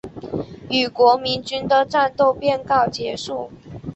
与国民军的战斗便告结束。